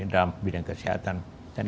dalam bidang kesehatan